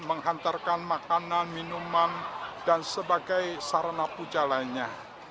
menghantarkan makanan minuman dan sebagai sarana pujalannya